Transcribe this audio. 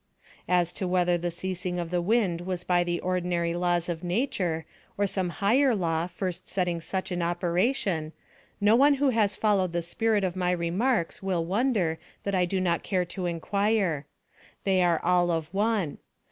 As to whether the ceasing of the wind was by the ordinary laws of nature, or some higher law first setting such in operation, no one who has followed the spirit of my remarks will wonder that I do not care to inquire: they are all of one.